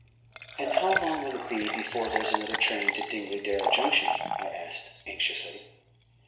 "And how long will it be before there's another train to Dingledale Junction?" I asked anxiously.